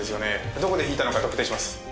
どこで引いたのか特定します。